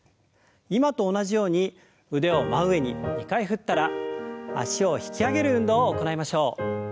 今と同じように腕を真上に２回振ったら脚を引き上げる運動を行いましょう。